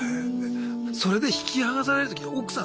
それで引き離される時奥さん